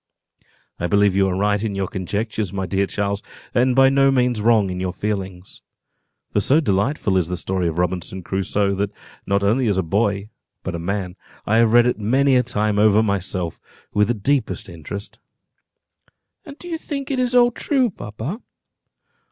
"I believe you are right in your conjectures, my dear Charles, and by no means wrong in your feelings; for so delightful is the story of Robinson Crusoe, that not only as a boy, but a man, have I read it many a time over myself, with the deepest interest." "And you think it is all true, papa?"